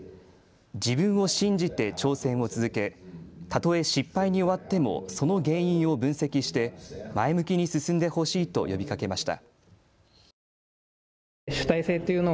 自分を信じて挑戦を続けたとえ失敗に終わってもその原因を分析して前向きに進んでほしいと呼びかけました。